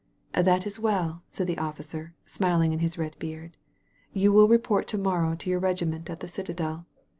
"That is well," said the officer, smiling in his red beard. "You will report to morrow to your regiment at the citadel.